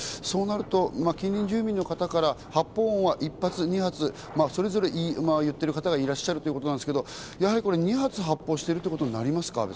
そうなると、近隣住民の方から発砲音は１発、２発、それぞれ言ってる方がいらっしゃるということですけどやはり２発、発砲してるということになりますか？